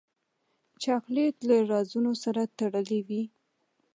چاکلېټ له رازونو سره تړلی وي.